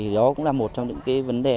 đó cũng là một trong những vấn đề